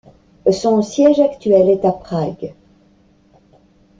Son siège actuel est à Prague.